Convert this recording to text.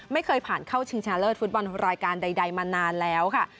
ไม่เคยผ่านเข้าชิงชนะเลิศฟุตบอลรายการใดมานานแล้วค่ะ